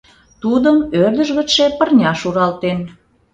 Тудым ӧрдыж гычше пырня шуралтен...